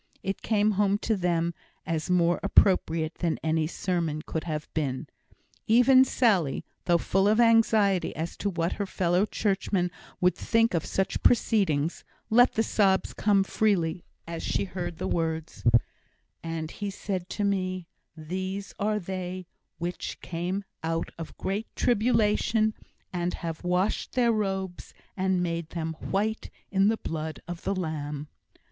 It came home to them as more appropriate than any sermon could have been. Even Sally, though full of anxiety as to what her fellow Churchman would think of such proceedings, let the sobs come freely as she heard the words: And he said to me, These are they which came out of great tribulation, and have washed their robes, and made them white in the blood of the Lamb.